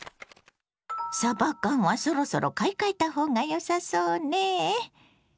さば缶はそろそろ買い替えた方がよさそうね。